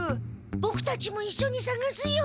ボクたちもいっしょにさがすよ。